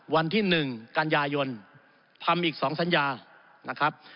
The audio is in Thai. วันที่๑การยายนทำอีก๒สัญญา